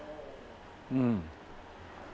うん。